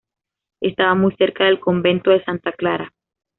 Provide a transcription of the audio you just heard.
Estaba muy cerca del Convento de Santa Clara.